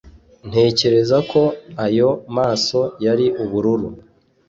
ntekereza ko ayo maso yari ubururu